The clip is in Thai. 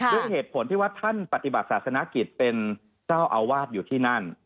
ด้วยเหตุผลที่ว่าท่านปฏิบัติศาสนกิจเป็นเจ้าอาวาสอยู่ที่นั่น